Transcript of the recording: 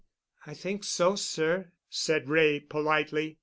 "I think so, sir," said Wray politely.